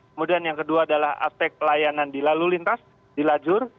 kemudian yang kedua adalah aspek pelayanan di lalu lintas di lajur